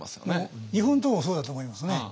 日本刀もそうだと思いますね。